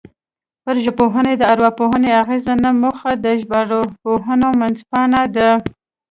پر ژبپوهنه د ارواپوهنې اغېز نه موخه د ژبارواپوهنې منځپانګه ده